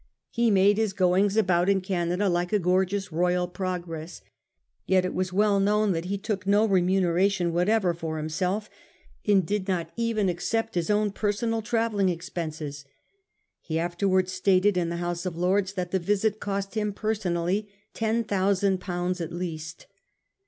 He made his goings about in Canada like a gorgeous royal progress ; yet it was well known that he took no remuneration whatever for himself, and did not even accept his own personal travelling expenses. He afterwards stated in the House of Lords that the visit cost him personally ten thousand pounds at least.